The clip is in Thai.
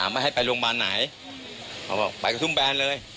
พี่สมหมายก็เลย